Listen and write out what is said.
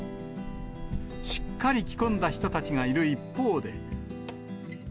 しっかり着込んだ人たちがいる一方で。